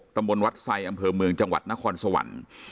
ตำบลวัดไซอำเภอเมืองจังหวัดนครสวรรค์